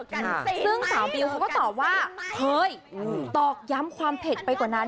ซึ่งสาวบิวเขาก็ตอบว่าเคยตอกย้ำความเผ็ดไปกว่านั้น